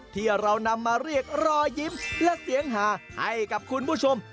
ที่เรานำมาเรียกรอยยิ้มและเสียงหาให้กับคุณผู้ชม